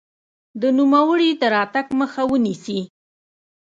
د نوموړي د راتګ مخه ونیسي.